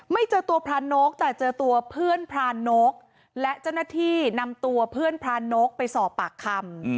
เจอตัวพระนกแต่เจอตัวเพื่อนพรานกและเจ้าหน้าที่นำตัวเพื่อนพรานกไปสอบปากคำ